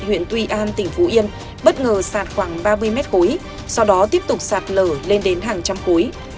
huyện tuy an tỉnh phú yên bất ngờ sạt khoảng ba mươi mét khối sau đó tiếp tục sạt lở lên đến hàng trăm khối